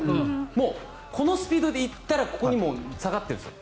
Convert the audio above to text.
もうこのスピードで行ったらここに下がってるんですよ。